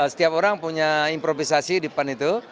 setiap orang punya improvisasi di pan itu